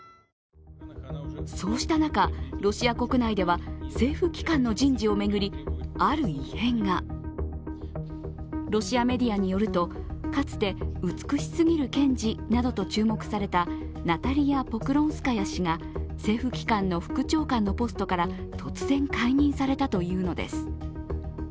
そうした中、ロシア国内では政府機関の人事を巡り、ある異変がロシアメディアによると、かつて美しすぎる検事などと注目されたナタリヤ・ポクロンスカヤ氏が政府機関の副長官のポストから突然解任されたというのです。